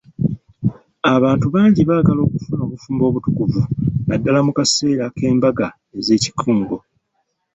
Abantu bangi baagala okufuna obufumbo obutukuvu, naddaala mu kaseera k'embaga ez'ekikungo.